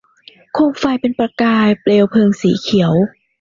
โคมไฟเป็นประกายแสงเปลวเพลิงสีเขียว